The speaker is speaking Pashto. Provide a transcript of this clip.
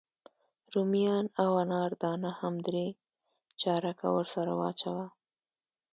رومیان او انار دانه هم درې چارکه ورسره واچوه.